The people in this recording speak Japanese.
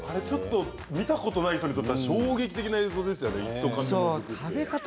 見たことない人にとっては衝撃的な映像ですよね、一斗缶。